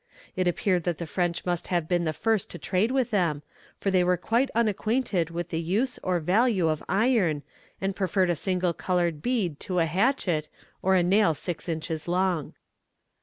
It appeared that the French must have been the first to trade with them, for they were quite unacquainted with the use or value of iron, and preferred a single coloured bead to a hatchet, or a nail six inches long.